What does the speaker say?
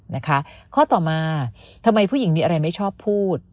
นะคะข้อต่อมาทำไมผู้หญิงมีอะไรไม่ชอบพูด